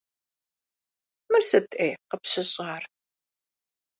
Мыр сыт, ӏей, къыпщыщӏар?